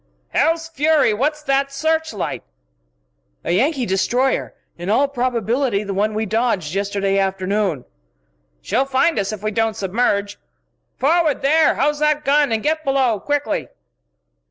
"Hell's fury! what's that searchlight?" "A Yankee destroyer in all probability the one we dodged yesterday afternoon." "She'll find us yet if we don't submerge. Forward, there house that gun! And get below quickly!"